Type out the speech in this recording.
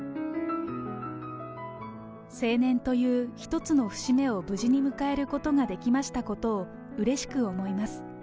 成年という一つの節目を無事に迎えることができましたことを、うれしく思います。